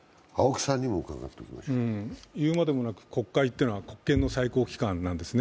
言うまでもなく国会というのは国権の最高機関なんですね。